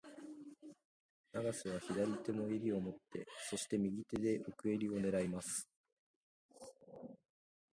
永瀬は左手も襟を持って、そして、右手で奥襟を狙います。